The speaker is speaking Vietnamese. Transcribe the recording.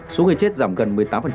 số người chết giảm gần một mươi tám